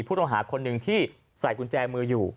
ผู้ต้องหาคนหนึ่งที่ใส่กุญแจมืออยู่